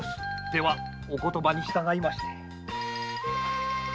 ではお言葉に従いまして。